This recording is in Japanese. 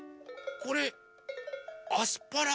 これアスパラ！